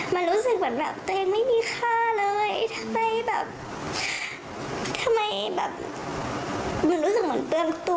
มันรู้สึกเหมือนแบบตัวเองไม่มีค่าเลยทำไมแบบทำไมแบบมันรู้สึกเหมือนเตือนตัว